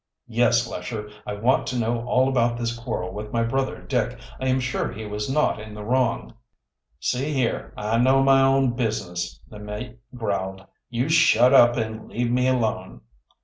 "Yes, Lesher, I want to know all about this quarrel with my brother Dick. I am sure he was not in the wrong." "See here, I know my own business," the mate growled. "You shut up and leave me alone."